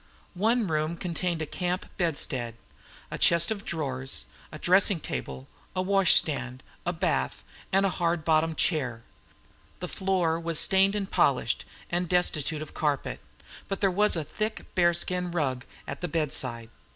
One room contained a camp bedstead, a chest of drawers, a dressing table, a wash stand, a bath, and a hard bottomed chair. The floor was stained and polished, and destitute of carpet; but there was a thick bearskin rug at the bedside.